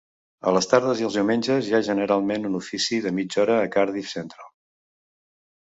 A les tardes i els diumenge, hi ha generalment un ofici de mitja hora a Cardiff Central.